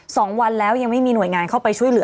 สองวันแล้วยังไม่มีหน่วยงานเข้าไปช่วยเหลือ